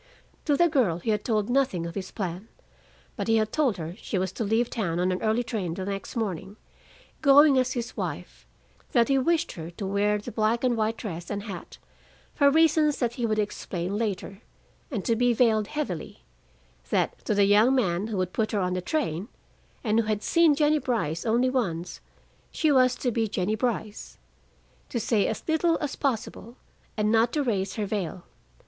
To the girl he had told nothing of his plan. But he had told her she was to leave town on an early train the next morning, going as his wife; that he wished her to wear the black and white dress and hat, for reasons that he would explain later, and to be veiled heavily, that to the young man who would put her on the train, and who had seen Jennie Brice only once, she was to be Jennie Brice; to say as little as possible and not to raise her veil.